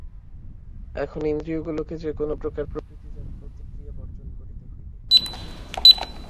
এখন ইন্দ্রিয়গুলিকে যে-কোন প্রকার প্রকৃতি-জাত প্রতিক্রিয়া বর্জন করিতে হইবে।